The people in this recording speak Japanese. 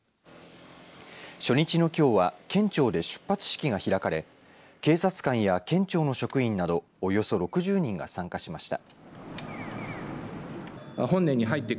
初日のきょうは県庁で出発式が開かれ警察官や県庁の職員などおよそ６０人が参加しました。